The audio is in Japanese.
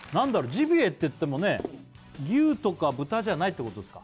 ジビエっていってもね牛とか豚じゃないってことですか